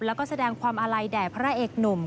แล้วก็แสดงความอาลัยแด่พระเอกหนุ่ม